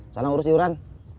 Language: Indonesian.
sana urus yuran